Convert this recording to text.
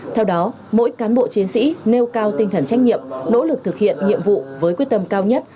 theo đó mỗi cán bộ chiến sĩ nêu cao tinh thần trách nhiệm nỗ lực thực hiện nhiệm vụ với quyết tâm cao nhất